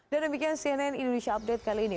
dan demikian cnn indonesia update kali ini